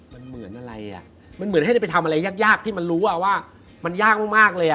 มันเหมือนอะไรอ่ะมันเหมือนให้ได้ไปทำอะไรยากยากที่มันรู้ว่ามันยากมากเลยอ่ะ